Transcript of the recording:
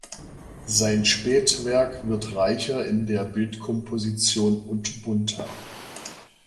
Sein Spätwerk wird reicher in der Bildkomposition und bunter.